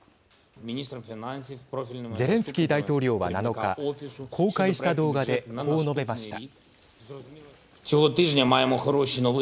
ゼレンスキー大統領は、７日公開した動画でこう述べました。